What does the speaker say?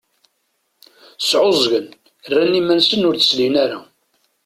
Sεuẓẓgen, rran iman-nsen ur d-slin ara.